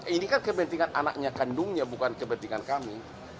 ini kan kepentingan anaknya kandungnya bukan kepentingan kami